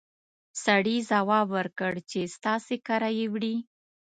سړي ځواب ورکړ چې ستاسې کره يې وړي!